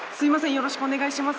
よろしくお願いします。